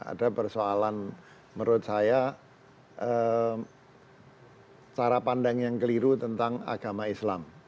ada persoalan menurut saya cara pandang yang keliru tentang agama islam